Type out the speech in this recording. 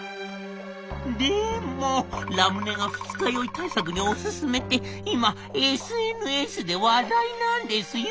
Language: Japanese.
「でもラムネが二日酔い対策におすすめって今ＳＮＳで話題なんですよ！」。